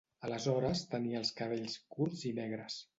Aleshores tenia els cabells curts i negres.